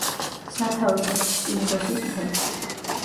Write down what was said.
სათავეს იღებს პინდოსის მთებში.